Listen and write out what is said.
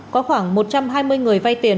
có khoảng một trăm hai mươi người vay tiền